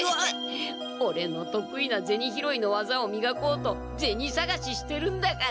オレのとくいなゼニ拾いのわざをみがこうとゼニさがししてるんだから！